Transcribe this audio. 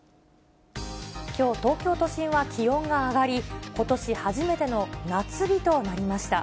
きょう、東京都心は気温が上がり、ことし初めての夏日となりました。